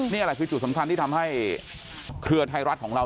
นี่แหละคือจุดสำคัญที่ทำให้เครือไทยรัฐของเรา